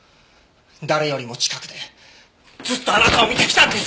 誰よりも近くでずっとあなたを見てきたんですから！